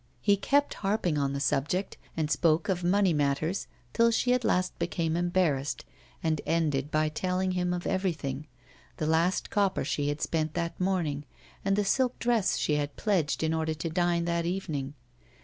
He kept harping on the subject, and spoke of money matters till she at last became embarrassed, and ended by telling him of everything the last copper she had spent that morning, and the silk dress she had pledged in order to dine that evening.